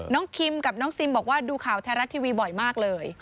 คิมกับน้องซิมบอกว่าดูข่าวไทยรัฐทีวีบ่อยมากเลย